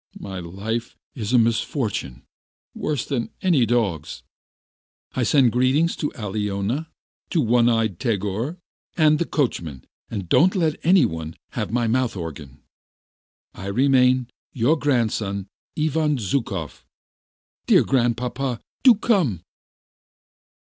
My life is a misfortune, worse than any dog's... I send greetings to Aliona, to one eyed Tegor, and the coachman, and don't let any one have my mouth organ. I remain, your grandson, Ivan Zhukov, dear Grandpapa, do come."